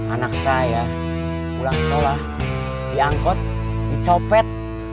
anak saya pulang sekolah diangkut dicopet